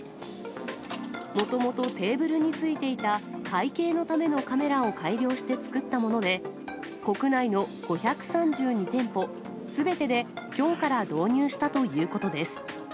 もともとテーブルについていた会計のためのカメラを改良して作ったもので、国内の５３２店舗すべてできょうから導入したということです。